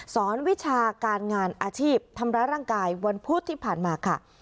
วิชาการงานอาชีพทำร้ายร่างกายวันพุธที่ผ่านมาค่ะ